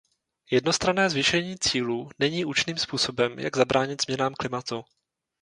Jednostranné zvýšení cílů není účinným způsobem, jak zabránit změnám klimatu.